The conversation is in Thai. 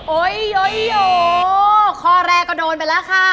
โอ๊ยโยโย้คอแรกก็โดนไปแล้วค่ะ